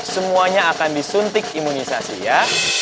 semuanya akan disuntik imunisasi ya